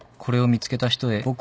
「これを見つけた人へ」